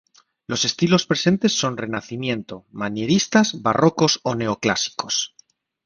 Los estilos presentes son renacimiento, manieristas, barrocos o neoclásicos.